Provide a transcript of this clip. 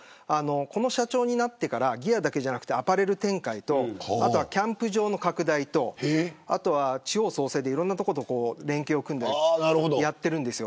この社長になってからギアだけでなくアパレル展開とキャンプ場の拡大と地方創生で、いろんな所と連携を組んでやっているんです。